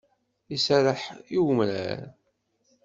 Iserreḥ i umrar.